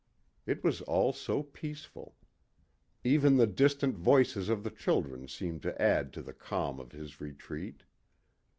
It was all so peaceful. Even the distant voices of the children seemed to add to the calm of his retreat.